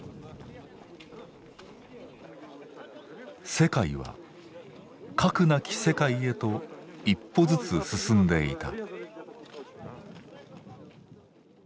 世界は「核なき世界」へと一歩ずつ進んでいた。